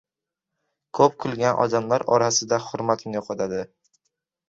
• Ko‘p kulgan odamlar orasida hurmatini yo‘qotadi.